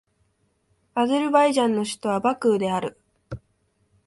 アゼルバイジャンの首都はバクーである